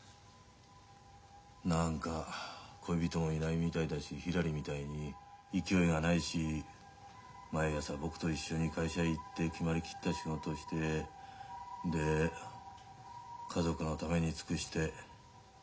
何か恋人もいないみたいだしひらりみたいに勢いがないし毎朝僕と一緒に会社へ行って決まりきった仕事してで家族のために尽くして。